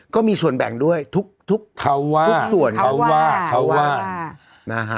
ก็มีส่วนแบ่งด้วยทุกทุกทุกส่วนเขาว่าเขาว่าเขาว่านะฮะ